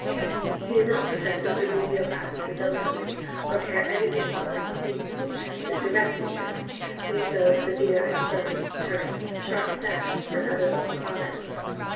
He did not profess his remedial practices openly, or care anything about their continuance, his direct interests being those of a dealer in furze, turf, 'sharp sand,' and other local products.